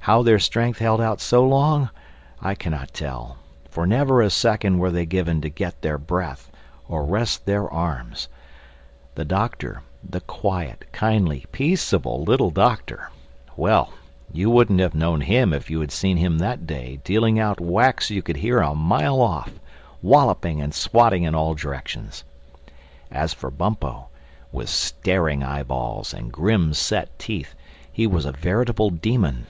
How their strength held out so long I cannot tell, for never a second were they given to get their breath or rest their arms. The Doctor—the quiet, kindly, peaceable, little Doctor!—well, you wouldn't have known him if you had seen him that day dealing out whacks you could hear a mile off, walloping and swatting in all directions. As for Bumpo, with staring eye balls and grim set teeth, he was a veritable demon.